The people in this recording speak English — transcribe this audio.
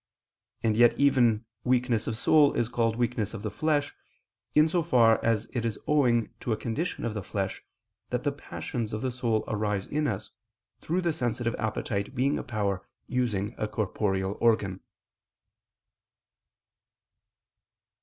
And yet even weakness of soul is called weakness of the flesh, in so far as it is owing to a condition of the flesh that the passions of the soul arise in us through the sensitive appetite being a power using a corporeal organ.